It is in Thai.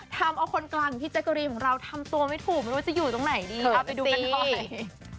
ทำเอาคนกลางที่ใจกรีย์ของเราทำตัวไม่ถูกไม่รู้ว่าจะอยู่ตรงไหนดี